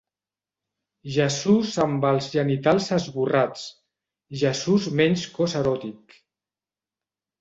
Jesús amb els genitals esborrats; Jesús menys cos eròtic.